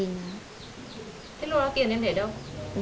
thế lúc đó tiền em để đâu